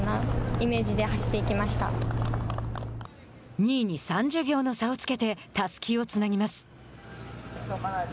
２位に３０秒の差をつけてたすきをつなぎます。